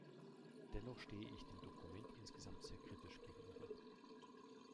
Dennoch stehe ich dem Dokument insgesamt sehr kritisch gegenüber.